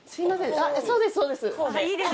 そうですそうです。